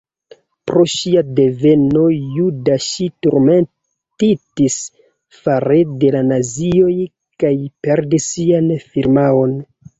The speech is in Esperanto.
Pro ŝia deveno juda ŝi turmentitis fare de la nazioj kaj perdis sian firmaon.